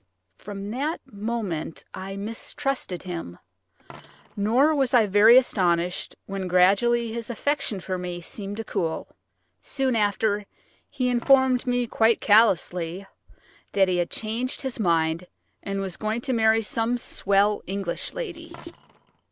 From that moment I mistrusted him, nor was I very astonished when gradually his affection for me seemed to cool. Soon after, he informed me, quite callously, that he had changed his mind, and was going to marry some swell English lady.